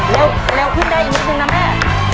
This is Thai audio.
เร็วขึ้นได้อีกนิดนึงนะแม่